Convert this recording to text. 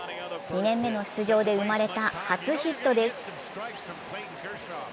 ２年目の出場で生まれた初ヒットです。